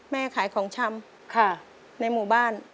แม่ขายของชำในหมู่บ้าน